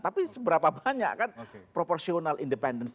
tapi seberapa banyak kan